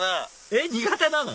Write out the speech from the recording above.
えっ苦手なの？